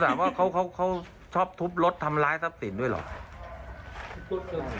สอบถามว่าเขาชอบทุบรถทำร้ายทับสินด้วยหรือ